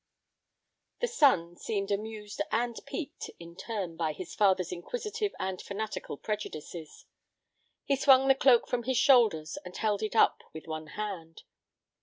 The son seemed amused and piqued in turn by his father's inquisitive and fanatical prejudices. He swung the cloak from his shoulders and held it up with one hand.